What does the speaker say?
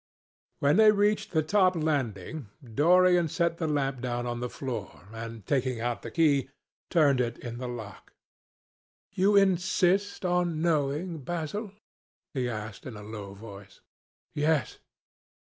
When they reached the top landing, Dorian set the lamp down on the floor, and taking out the key, turned it in the lock. "You insist on knowing, Basil?" he asked in a low voice. "Yes."